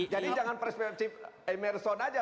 jadi jangan perspektif emerson saja